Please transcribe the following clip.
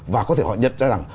và có thể họ nhận ra rằng